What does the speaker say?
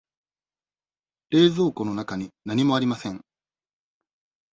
冷蔵庫の中に何もありません。